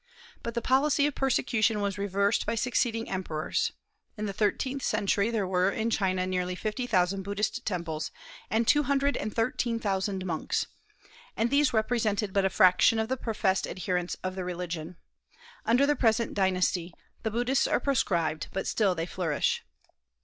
But the policy of persecution was reversed by succeeding emperors. In the thirteenth century there were in China nearly fifty thousand Buddhist temples and two hundred and thirteen thousand monks; and these represented but a fraction of the professed adherents of the religion. Under the present dynasty the Buddhists are proscribed, but still they flourish.